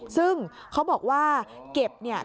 ซึ่งเขาบอกว่าเก็บเนี่ย